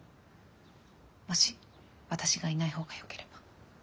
もし私がいないほうがよければ。